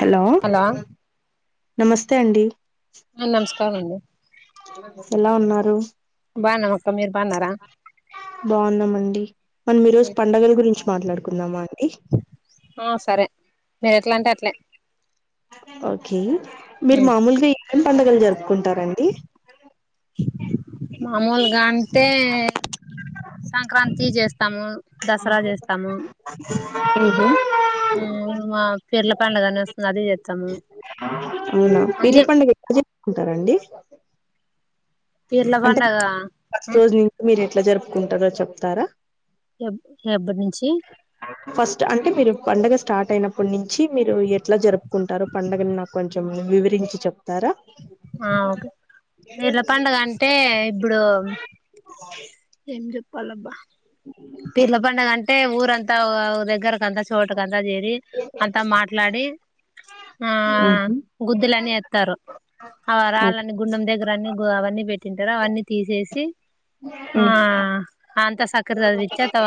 Hello నమస్తే అండి. అ నమస్కారం అండి. ఎలా ఉన్నారు, బాగున్నాం అక్క మీరు బాగున్నారా బావున్నామండి. మనం ఈరోజు పండుగల గురించి మాట్లాడుకుందామా అండి? ఎట్ల అంటే అట్నే ఓకే మీరు మామూలుగా ఏం పండగలు జరుపుకుంటారండి మామూలుగా అంటే సంక్రాంతి చేస్తాము. దసరా చేస్తాము. నస్తోంది అది చేస్తాము. అవునా పీర్ల అన్నీ పండగ ఎప్పుడు జరుపుకుంటారండి? పీర్ల అంటే నా పండగ ఫస్ట్ రోజు నుంచి మీరు ఎట్ల జరుపుకుంటారో చెప్తారా? రెప్ రేపటి నుం ఫస్ట్ అంటే మీరు పండగ స్టార్ట్ అయినప్పటి నుంచి మీరు ఎట్లా జరుపు కుంటారు పండుగని నాకు కొంచెం వివరించి చెప్తారా? ఆ ఓకే, పీర్ల పండగ అంటే ఇప్పుడు ఏం చెప్పాలబ్బా పీర్ల పండగ అంటే ఊరంతా దగ్గరకి అంతా తోటకంత చేరి అంత మాట్లాడి ఆ ఊహు, గుద్దులని ఎస్తారు, ఆ ఓకే రాళ్ళని గుండెం దగ్గర్ రన్నీ గు అవన్నీ పెట్టింటారు అవన్నీ తీసేసి ఉమ్ అ అంత సకరదది ఇచ్చేత్తవ?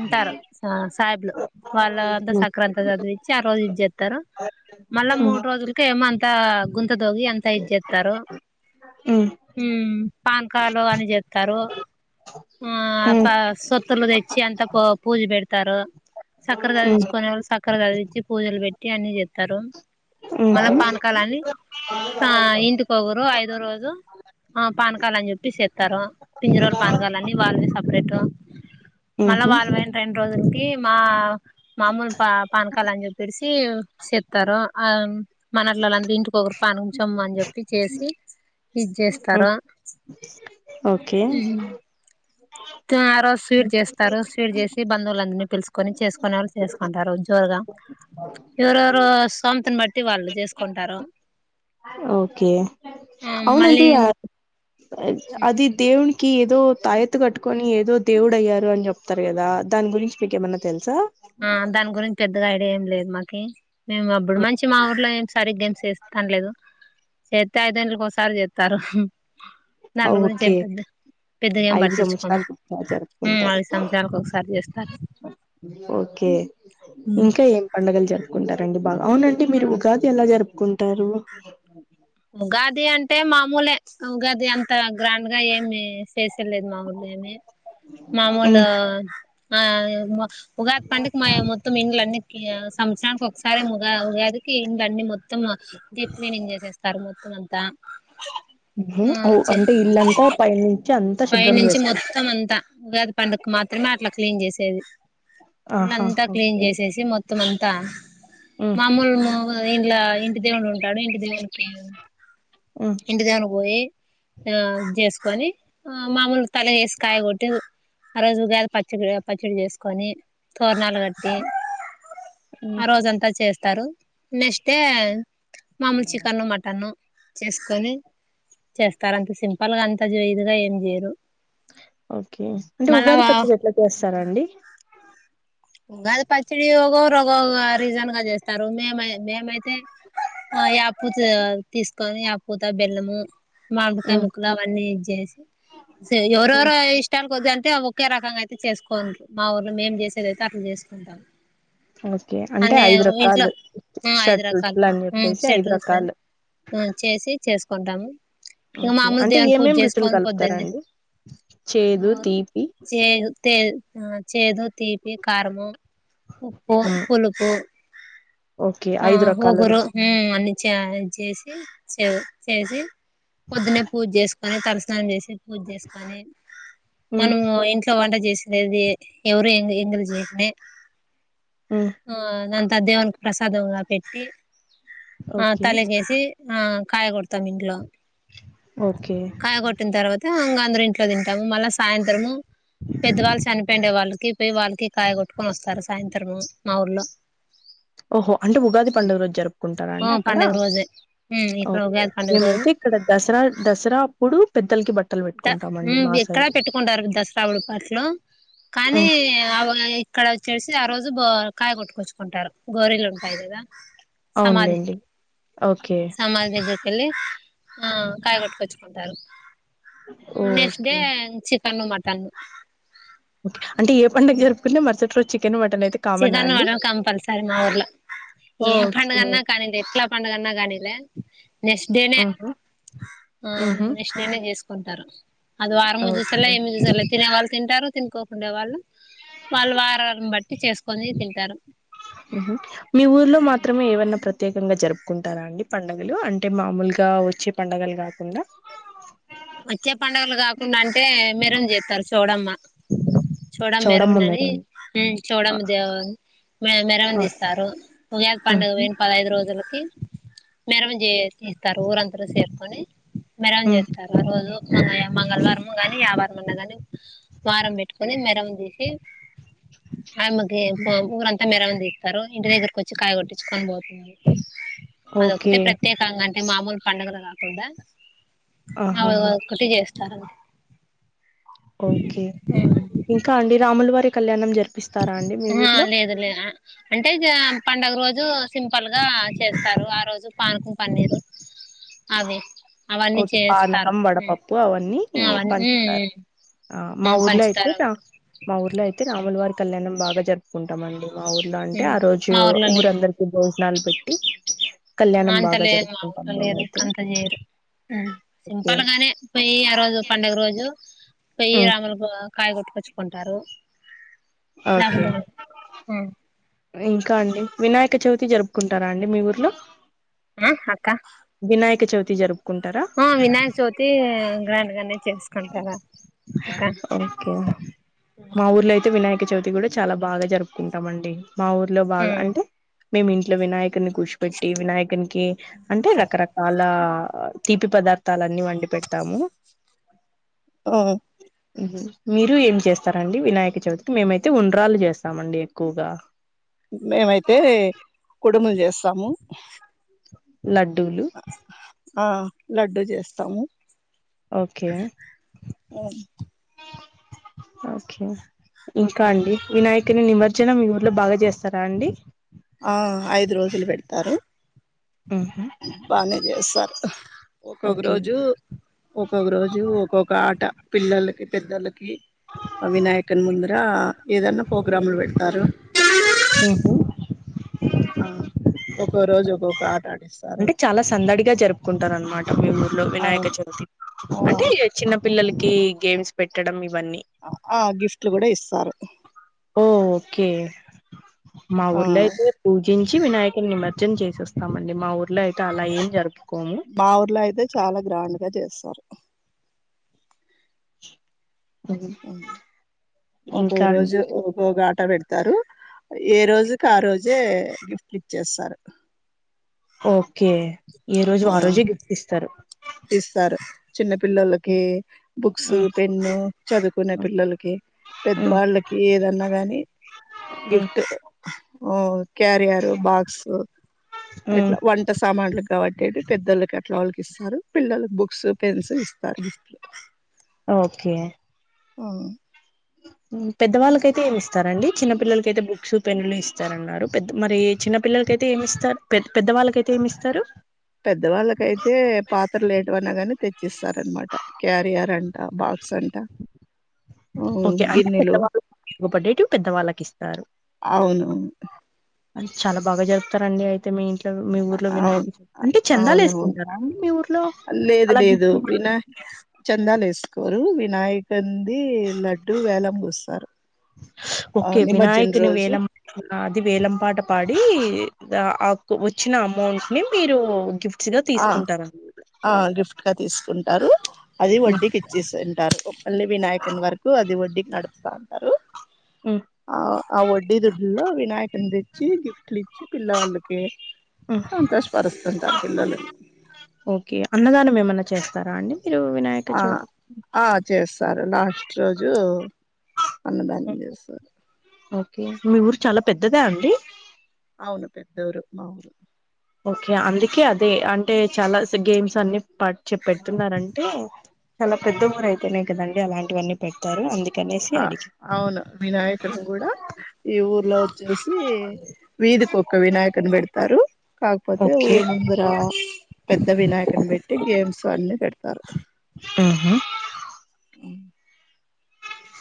ఉంటారు సా సాహెబ్లు వాళ్ళ అంతా సక్రాంత చదివిచ్చి ఆ రోజు ఇది చేత్తారు. మళ్ళా ఉమ్ మూడు రోజులకే ఏమోంత గుం గుంత తొవ్వి అంతా ఇది చేస్తారు, ఉమ్ ఉమ్ పాన్కాలు అని చేత్ తారు ఆ అత ఉమ్ సోత్ లు తెచ్చి అంతా ప పూజ పెడతారు, సక్కరగా ఉమ్ తెచ్చుకొని వాళ్ళు సక్ కర చదివిచ్చి పూజలు పెట్టి అన్ని చెత్తారు, ఉమ్ మళ్ళా ఉహు పానకాలు అని ఆ ఇంటికొగరు ఐదో రోజు ఆ పానకాల అని చెప్పిస్తారు పింజిరోలు పానకాలు అన్నీ వాళ్ళవి సపరేట్, మళ్ళా ఉహు వాళ్ళ రెండు రోజులు కీ మా మామూలు పా పానకాలు అని చెప్పేసి చెబుతారు అం మనోల్ల లందరూ ఇంటికొ ఒకరు పానించం అని చెప్పి చేసి ఇది చేస్తారు. ఓకే తే ఆరోజు స్వీట్ చేస్తారు, స్వీట్ చేస్ కి బంధువులందరినీ పిలుసుకొని చేసుకునే వాళ్ళు చేసుకుంటారు జోరుగా. ఎవరెవరు సోంతని బట్టి వాళ్ళు చేసుకుంటారు. ఓకే మళ్ళీ అవునండి ఆ అది దేవని కీ ఏదో తాయత్ కట్టుకొని ఏదో దేవుడు అయ్యారు అని చెప్తారు కదా, దాని గురించి మీకు ఏమన్నా తెలుసా? ఆ దాని గురించి పెద్దగా ఐడియా ఏం లేదు మాకి మేము అప్పుడు మంచి మా ఊర్లో ఏం సారి గేమ్స్ చేస్తానలేదు చేస్త ఐదెండ్ల ఒకసారి చేస్తారు దాన్ గురించి ఓకే చెపద్దు పెద్దగా ఏం ఐదు పట్టించుకోము సంవత్సరాలకు ఒకసారి ఊ జరుపుకుంటారు మళ్ళీ సంవత్సారానికి ఒకసారి చేస్తారు ఓకే ఇంకా ఏండగలు జరుగు రుకుంటారండి బాగా అవునండి మీరు ఉగాది ఎలా జరుపుకుంటారు ఉగాది అంటే మామూలే ఉగాది అంత గ్రాండ్ గా ఏమి చేస్ చేసలేదు మాముూలుని మామూలు ఆ మా ఉగాది పండుకి మా మొత్తం ఇండ్లన్నీ ఇగ సంవత్సరానికి ఒకసారిగా ఉగ ఉగాదికి ఇండ్ల అన్నీ మొత్తం మొత్తం దీప్ క్లీనింగ్ చేసేస్తారు మొత్తం అంతా ఆ అవు చే అంటే ఇలంతా పై నుంచి అంత పై నుంచి మొత్తం అంతా ఉగాది పండుకి మాత్రమే అట్లా క్లీన్ చేసేది ఆహా ఇలాంతా క్లీన్ ఓకే చేసేసి మొత్తం అంతా ఉ మామూలు ఇంట్లా ఇంటి దేవుడు ఉంటాడు ఇంటి దేవునికి ఉ ఇంటి దేవునికి పోయి ఆ చేసుకొని ఆ మామూలు తల వేసి కాయ కొట్టి ఆ రోజు ఉగాది పచ్చడి పచ్చడి చేసుకొని తోరణలు కట్టి ఆ రోజంతా చేస్తారు నెస్ట్ డే మాములు చికెన్ మటన్ చేస్కోని చేస్తారు అంత సింపుల్ ప్పలుగా అంతగా ఇదిగా ఏం చేయరు ఓకే అంటే ఉగాది మళ్ళా పచ్చడి ఎట్లా చేస్తారండి ఉగాది పచ్చడి ఒకోరు ఒకక రీజన్ గా చేస్తారు మేమ మేమ అయితే ఆ యపుత తీసుకొని యాపూత బెల్లము ఉ మామికాయ ముక్కలు అవన్నీ ఇది చేసి ఉ ఎవరెవరో ఇష్టాలు కొద్ది అంత అయితే ఒకే రకంగా అయితే చేసుకోరు మా ఊర్లో మేం చేసేది అయితే అట్లా చేసుకుంటాం ఓకే. అంటే అన్నే ఓట్ల రకాలు. ఆ ఐదు షట్ రకాలు రుచులని జెప్పేసి షెడ్రూల్స్ అని రకాలు. అ చేసి చేసుకుంటాము ఇంక ఓకే. మామూలు అంటే దేవుని పూజ ఏమేం రుచులు చేసుకొని పొద్దున్నే కలుపుతారండి? చేదు, ఓరు తీపి చేదు తెద్ ఆ చేదు తీపి కారము ఉప్పు హ్మ్. పులుపు ఓకే. ఆ రకాల ఓగురు రుచులు. ఊ అన్ని చ చేసి చె చేసి పొద్దున్నే పూజ చేసుకొని తలస్నానం చేసి పూజ చేసుకని హ్మ్. మనము ఇంట్లో వంట చేసి దేది ఎవరు ఎందీ ఏం తెలుసు నీకు అమ్మి హ్మ్. ఆ నంత దేవనికి ప్రస సదంగా పెట్టి ఆ ఓకే. తలకేసి ఆ కాయ కొడతాం ఇంట్లో ఓకే. కాయ కొట్టిన తర్వాత ఇంగ అందరం ఇంట్లో తింటాము మళ్ళ సాయంత్రము పెద్దవాళ్ళు చనిపోయిండే వాళ్ళకి పోయి వాళ్ళకి కాయ కొట్టుకొని వస్తారు సాయంత్రం మా ఊర్లో ఓహో అంటే ఉగాది పండుగ రోజు జరుపుకుంటారా ఆ అండి అక్కడ పండుగ రోజే ఉమ్ ఇక్కడ ఓకే ఉగాది పండుగ రోజు మేమైతే ఇక్కడ దసరా దసరా అప్పుడు పెద్ద ద ఊ ఎక్కడా పెట్టుకుంటారు దసరపుడు బట్టలు కానీ హ్మ్. అవ ఇక్కడ వచ్చేసి చి ఆ రోజు బొ కాయ కొట్టుకొచ్చుకుంటారు గోరీలు ఉంటాయి కదా సమాధి అవునులెండి. ఓకే. సమాధి దగ్గరికెళ్లి ఆ కాయ కొట్టుకొచ్చుకుంటారు నెక్స్ట్ డే ఓకే. చి చికను మటను కే అంటే ఏ పండుగ జరుపుకున్న మరుసటి రోజు చికెన్ మటను చికన్ మాత్రం కంపల్సరీ మా ఊర్లో ఏం ఓకే. పండగన్నా కాని ఎట్లా పండుగన్నా కానీలే నెక్స్ట్డేడేనే ఆహా! ఆ హుహు. నెక్స్ట్ డే చేసు కుంటారు అది వారం ఓకే. చూసేలా ఏమి చూసేలా తినే వాళ్ళు తింటారు తినుకోకుండే వాళ్ళు వాళ్ళు వారాళ్ళను బట్టి చేసుకొని తింటారు మీ ఊర్లో మాత్రమే ఏవన్నా ప్రతి ప్రత్యేకంగా జరుపుకుంటార అండి పండుగలు అంటే మామూలుగా వచ్చే పండుగలు కాకుండా వచ్చే పండుగలు కాకుండా అంటే మెరమను చేస్తారు చౌడమ్మ చౌడమ్మ మెరమనని చూడ ఆ దేవా మ మెరమని తీస్తారు ఉగాది పండుగ ఉహు పోయిన పదైదు రోజులకి మెరవ [unintelligible] చేస్తారు ఊరందరూ చేరుకొని మెరవం ఉ చేస్త మంగళవారం గాని యావారం అన్నా గని వారం పెట్టుకొని మెరం తీసి [inaudible] ఆయమెకి ఊరంతా మెరవ తీస్తారు ఇంటి దగ్గరకు వచ్చి కాయ కొట్టించుకొని పో ఓకే అదొకటే ప్రత్యేకంగా అంటే మామూలు పండుగలు కాకుండ ఆమె [unintelligible] ఆహాహా ఒక్కటి చేస్తారు ఓకే ఇంకా అండి రాములువారి కళ్యాణం జరిపిస్తార అండి మీ ఆ ఊర్లో లేదు లే అంటే పండుగ రోజు సింపల్ ఆ చేస్తారు ఆ రోజు పానకం పన్నీరు అవి అవన్నీ ఓకే చేస్తారు పానకం వడపప్పు అవన్నీ అవన్నీ పంచుతారు ఆ మా ఊర్లో అయితే పంచుతారు రా మా ఊర్లో అయితే రాములువారి కళ్యాణం బాగ జరుపుకుంటాం అండి మా ఊర్లో అంటే అవి ఆ రోజు మా ఊర్లో లేదు ఊరందరికి భో జనాలు పెట్టి కళ్యాణం అంత బాగ లేదు మా జరుపుకుంటం ఊర్లో లేదు అక్క మేమైతే అంత చేయరు ఓకే సింపుల్ గానే పోయ్యి ఆ రోజు పండుగ రోజు పోయ్యి ఉ రాములు కాయగొట్టు చ్చుకుంటారు ఓకే ఇంకా అండి వినాయక చవితి జరుపుకుంటార అండి మీ ఊర్లో ఆ అక్క వినాయక చవితి జరు ఆ వినాయక చవితి గ్రాండ్ గానే చేసుకుంటార ఇక కే మా ఊర్లో అయితే వినాయక చవితి కూడ చాల బాగా జరుపుకుంటాం అండి మా ఊర్లో బాగ ఉమ్ అంటే మేమి ఇంట్లో వినాయకుని కూర్చిపెట్టి వినాయకుకి అంటే రకరకాల తీపి పదార్థాలన్ని వండి పెడతాము ఓ మీరు ఏం చేస్తారండి వినాయక చవితికి మేమైతే ఉండ్రాలు చేస్తామండి ఎక్కువగా మేమైతే కుడుములు చేస్తాము లడ్డూలు ఆ లడ్డూ చేస్తాము ఓకే ఓకే ఇంకా అండి వినాయ్ ఓకే నిమజనం ఊరిలో బాగ చేస్తారా అండి ఆ ఐదు రోజులు పెడతారు ఆహా బానే చేస్తారు ఒక్కొక్క ఓకే రోజు ఒక్కొక్క రోజు ఒక్కొక్క ఆట పిల్లలకి పెద్దలకి వినాయకని ముందర ఏదన్న ప్రోగ్రాంలు పెడతారు హుహు. ఆ ఒక్కో రోజు ఒక్కొక్క ఆట ఆడిస్తారు అంటే చాలా సందడిగా జరుపుకుంటారు అనమాట మీము ఊర్లో వినాయక అవును చవితి ఆ అంటే చిన్న పిల్లలకి గేమ్స్ పెట్టడం ఇవన్నీ ఆ గిఫ్ట్లు గూడా ఇస్తారు ఓ ఓకే ఆ మాఊర్లో అయితే పూజీంచి వినాయక నిమ నిమ్జ్ చేసేస్తామండి మా ఊర్లో అయితే అలా ఏం జరుగ మా ఊర్లో అయితే చాలా గ్రాండ్ గా చేస్తారు [inaudible] ఒక్కొ ఇంకా రోజు ఒకో గా పెడతారు ఏ రోజుకి ఆ రోజే గిఫ్ట్ ఇచ్చేస్తారు ఓకే ఏ రోజు అ ఆ రోజే గిఫ్ట్ ఇస్తారు ఇస్తారు చిన్న పిల్లలకి బుక్స్ మ్మ్ పెన్ను చదువుకునే పిల్లలకి మ్మ్ పెద్దవాళ్ళకి ఏదన్నా గాని మ్మ్ గిఫ్ట్ ఓ క్యారియర్ బాక్స్ మ్మ్ ఇట్లా వంట సామాన్లు కాబట్టి పెద్దలకి అట్లా వాళ్ళకి ఇస్తారు పిల్లలకు బుక్స్ పెన్స్ ఇస్తారు గిఫ్ట్ ఓకే అవును పెద్దవాళ్ళకైతే ఏమి ఇస్తారండి చిన్న పిల్లలకైతే బుక్స్ పెన్నలు ఇస్తారన్నారు పెద్ద మరి ఎజ్ చిన్నపిల్లలకు అయితే ఏమిస్తారు పె పెద్దవాళ్ళకైయితే ఏమి ఇస్తారు పెద్దవాళ్ళకైతే పాత్రలు ఏటవనా గాని తెచ్చిస్తారనమాట క్యారియర్ బాక్స్ అంట ఉ గిన్నెలు ఒక డేటు పెద్ద వాళ్ళకి ఇస్తారు అవును అ చాలా బాగా చెప్పుతారండి అయితే మీ ఇంటి మీ ఊర్లో వినయా అవును అంటే చందాలు అవునవును వేసుకుంటారా అ మీ ఊర్లో లేదు అలా లేదు వినాయ చందాలు ఎసుకోరు వినాయకంది లడ్డు వేలం పోస్తారు ఓకే వినాయకుని రోజు వేలం అది వేలం పాట పాడి ఆ వచ్చిన అమౌంట్ ని మీరు గిఫ్ట్స్ గా ఆ తీసుకుంటారు ఆ గిఫ్ట్ గా తీసుకుంటారు అది హ్మ్. వడ్డీకి ఇచ్చిస్తుంటారు మల్లి వినాయకన్ వరకు అది వడ్డీకి నడపు అంటారు హ్మ్. ఆ వడ్డి దుడ్డు లో వినాయకుని తెచ్చి గిఫ్ట్ అట్ల ఇచ్చి పిల్ల వాళ్ళకి హ్మ్. సంతోష పరుస్తుంటారు ఓకే అన్నదానం ఏమన్నా చేస్తారా అండి మీరు వినాయక ఆ చవితికి? ఆ చేస్తారు లాస్ట్ రోజు అన్నదానం హ్మ్. చేస్తారు మీ ఊరు చాలా పెద్దదా అండి పెద్దూరు మాఊరు ఓకే అందుకే అదే అంటే చాలా గేమ్స్ అన్ని పాట్ పెడుతున్నారంటే చాలా పెద్ద ఊరు అయితేనేయి గదండి అలాంటివన్నీ పెడతారు అందుకని ఆ అవును వినాయకుని గూడా ఈ ఊర్లో వచ్చేసి వీధికొక వినాయకని పెడతారు కా కపోతే ఓకే ఊరి ముందర పెద్ద వినాయకుని పెట్టి గేమ్స్ అన్నీ పెడ్త ఆహా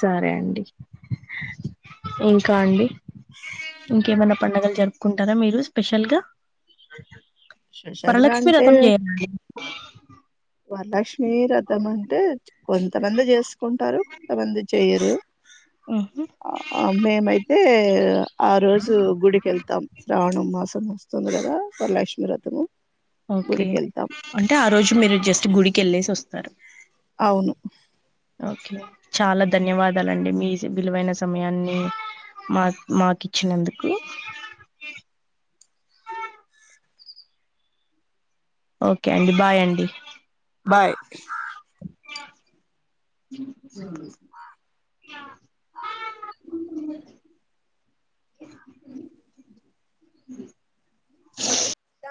సరే అండి ఇంకా అండి ఇంకేమన్నా పండుగలు జరుపుకుంటారా మీరు స్పెషల్ గా స్పెషల్ గా వరలక్ష్మి అంటే రథం చేయండి వరలక్ష్మిీ రథం అంటే కొంతమంది చేసు కొంటారు కొంతమంది చెయరు ఆ మేమైతే ఆ రోజు గుడికి వెళ్తాం శ్రావణం మాసం వస్తుంది కదా వరలక్ష్మి వ్రతము ఓకే గుడికి వెళ్తాం అంటే ఆ రోజు మీరు జస్ట్ గుడికి వెళ్ళేసి వస్తారు అవును ఓకే చాలా ధన్యవాదాలండి మీ విలువైన సమయాన్ని మా మాకు ఇచ్చినందుకు ఓకే అండి బాయ్ అండి బాయ్ [inaudible] [inaudible] [unintelligible]